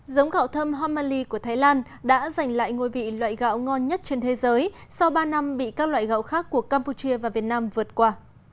giống gạo thơm homaly của thái lan đã giành lại ngôi vị loại gạo ngon nhất trên thế giới sau ba năm bị các loại gạo khác của campuchia và việt nam vượt qua